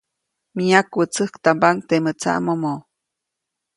Myakwätsäktambaʼuŋ temäʼ tsaʼmomo.